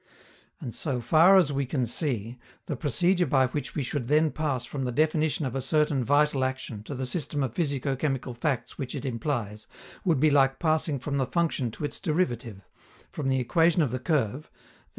And, so far as we can see, the procedure by which we should then pass from the definition of a certain vital action to the system of physico chemical facts which it implies would be like passing from the function to its derivative, from the equation of the curve (_i.